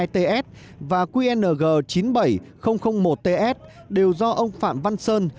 hai mươi hai hai mươi hai ts và qng chín mươi bảy một ts đều do ông phạm văn sơn